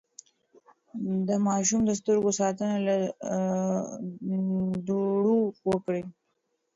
د ماشوم د سترګو ساتنه له دوړو وکړئ.